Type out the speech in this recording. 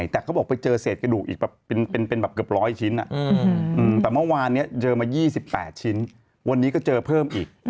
แต่เมื่อวานเจอมา๒๘ชิ้นวันนี้ก็เจอเพิ่มอีก